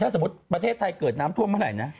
สมมุติประเทศไทยเกิดน้ำท่วมเมื่อไหร่นะ